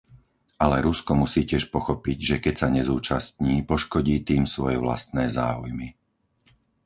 Ale Rusko musí tiež pochopiť, že keď sa nezúčastní, poškodí tým svoje vlastné záujmy.